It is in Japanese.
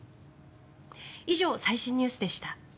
以上、最新ニュースでした。